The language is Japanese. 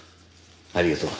ありがとう。